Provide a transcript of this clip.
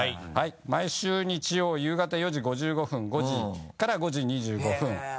毎週日曜夕方４時５５分５時２５分。